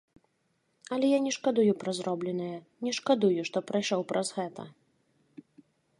Але я не шкадую пра зробленае, не шкадую, што прайшоў праз гэта.